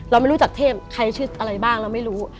เราไม่รู้จักเทพใครชื่ออะไรบ้างเราไม่รู้